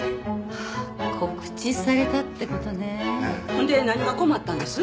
ほんで何が困ったんです？